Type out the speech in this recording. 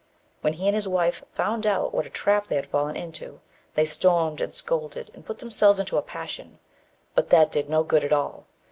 When he and his wife found out what a trap they had fallen into, they stormed and scolded and put themselves into a passion; but that did no good at all.